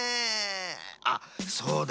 あそうだ。